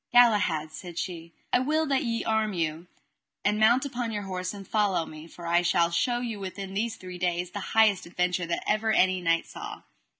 Galahad, said she, I will that ye arm you, and mount upon your horse and follow me, for I shall show you within these three days the highest adventure that ever any knight saw.